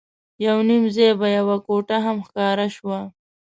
یو نیم ځای به یوه کوټه هم ښکاره شوه.